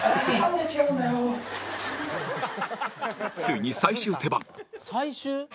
ついに最終手番「最終？」